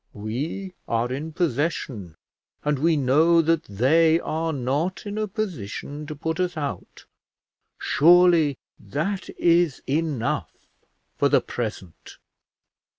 We are in possession; and we know that they are not in a position to put us out; surely that is enough for the present."